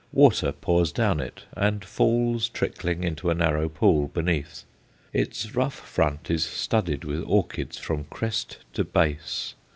Water pours down it and falls trickling into a narrow pool beneath. Its rough front is studded with orchids from crest to base.